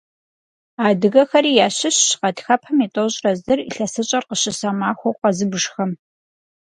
Адыгэхэри ящыщщ гъатхэпэм и тӏощӏрэ зыр илъэсыщӀэр къыщыса махуэу къэзыбжхэм.